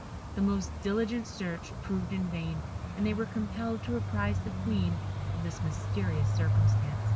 The most diligent search proved in vain, and they were compelled to apprise the Queen of this mysterious circumstance.